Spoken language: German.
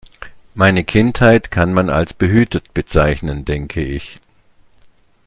Meine Kindheit kann man als behütet bezeichnen, denke ich.